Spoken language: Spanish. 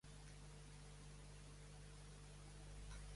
Es propiedad de la cadena Mallplaza.